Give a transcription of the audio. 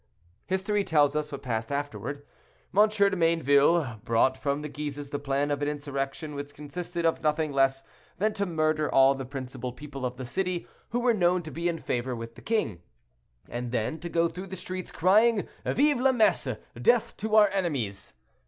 History tells us what passed afterward. M. de Mayneville brought from the Guises the plan of an insurrection which consisted of nothing less than to murder all the principal people of the city who were known to be in favor with the king, and then to go through the streets crying, "Vive la Messe! death to our enemies!"